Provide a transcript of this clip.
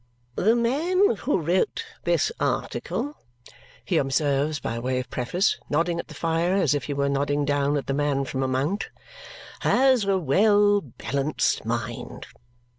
"The man who wrote this article," he observes by way of preface, nodding at the fire as if he were nodding down at the man from a mount, "has a well balanced mind."